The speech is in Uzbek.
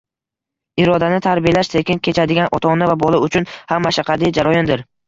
Irodani tarbiyalash sekin kechadigan, ota-ona va bola uchun ham mashaqqatli jarayondir.